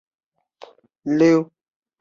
类似于西医的慢性化脓性鼻窦炎。